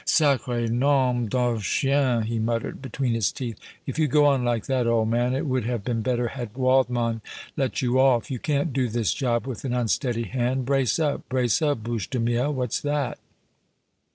"Sacré nom d' un chien!" he muttered, between his teeth, "if you go on like that, old man, it would have been better had Waldmann let you off. You can't do this job with an unsteady hand. Brace up, brace up, Bouche de Miel! What's that?"